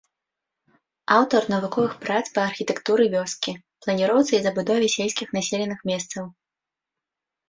Аўтар навуковых прац па архітэктуры вёскі, планіроўцы і забудове сельскіх населеных месцаў.